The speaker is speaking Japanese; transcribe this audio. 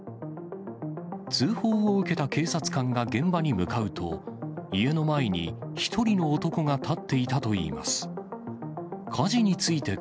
通報を受けた警察官が現場に向かうと、家の前に、１人の男が立っていたといいます。